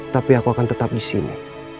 tapi aku akan tetap disini